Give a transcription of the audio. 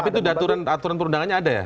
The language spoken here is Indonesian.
tapi itu aturan perundangannya ada ya